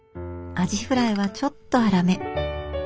アジフライはちょっと粗め。